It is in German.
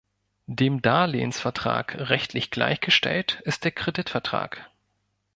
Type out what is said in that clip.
Dem Darlehensvertrag rechtlich gleichgestellt ist der Kreditvertrag.